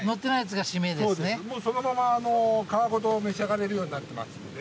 もうそのまま皮ごと召し上がれるようになってますので。